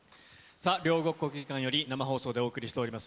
さあ、両国・国技館より生放送でお送りしております